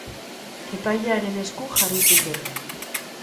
Epailearen esku jarri zuten.